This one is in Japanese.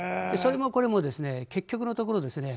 それもこれも結局のところ